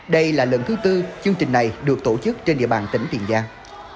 đây là lần thứ tư chương trình này được tổ chức trên địa bàn tỉnh tiền giang